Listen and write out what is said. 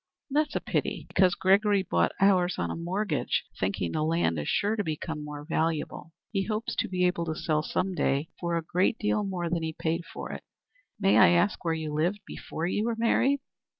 "That's a pity, because Gregory bought ours on a mortgage, thinking the land is sure to become more valuable. He hopes to be able to sell some day for a great deal more than he paid for it. May I ask where you lived before you were married?"